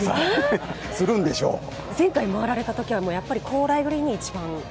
前回、回られたときはやっぱり高麗グリーンに一番。